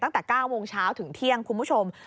ตั้งแต่๙โมงเช้าถึงเที่ยงคุณผู้ชม